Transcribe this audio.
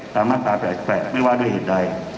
มาตรา๘๘ไม่ว่าด้วยเหตุใด